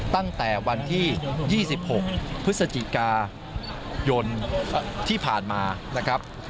ตั้งแต่วันที่๒๖พฤศจิกายนที่ผ่านมานะครับ